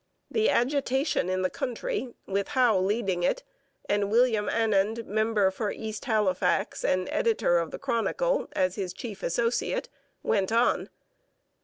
The agitation in the country, with Howe leading it, and William Annand, member for East Halifax and editor of the Chronicle, as his chief associate, went on.